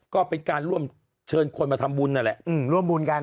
ก็เป็นการร่วมเชิญคนมาทำบุญนั่นแหละร่วมบุญกัน